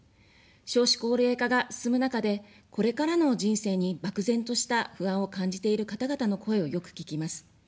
少子高齢化が進む中で、これからの人生に漠然とした不安を感じている方々の声をよく聞きます。